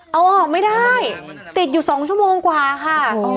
เอาออกไม่ได้ติดอยู่๒ชั่วโมงกว่าค่ะ